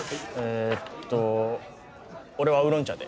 えっと俺はウーロン茶で。